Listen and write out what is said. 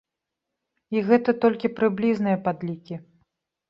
І гэта толькі прыблізныя падлікі.